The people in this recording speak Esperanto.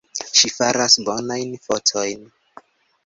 Ŝi faras bonajn fotojn.